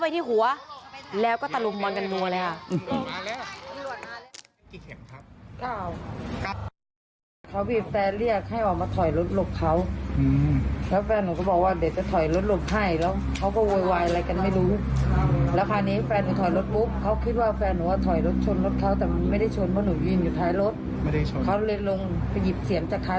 เธอก็เลยเข้าไปขวางเพราะกลัวรถพังกลายเป็นว่าโดนตีเข้าไปที่หัว